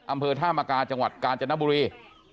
อำเภอท่ามกาจังหวัดกาญจนบุรี